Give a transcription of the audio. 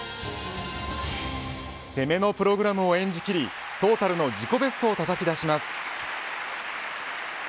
攻めのプログラムを演じきりトータルの自己ベストをたたき出します。